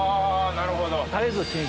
なるほど。